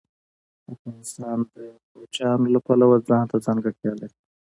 افغانستان د کوچیانو له پلوه ځانته ځانګړتیا لري.